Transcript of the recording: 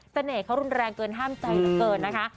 จนเหน่หรือเขารุ้นแรงเกินห้ามใจกันเกินนะคะ